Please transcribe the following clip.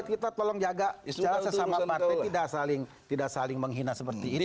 kita tolong jaga secara sesama partai tidak saling menghina seperti ini